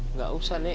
nggak usah nek